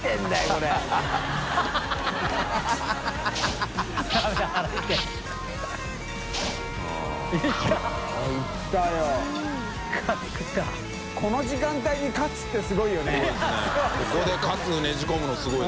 この時間帯にカツってすごいよね修Δ任垢